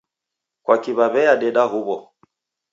Kwaki waweadeda huw'o?